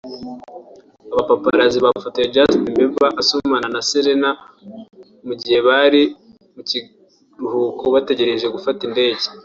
Abapaparazzi bafotoye Justin Bieber asomana na Selena mu gihe bari mu kiruhuko bategereje gufata indege